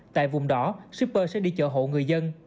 tại vùng đó shipper sẽ đi chợ hộ người dân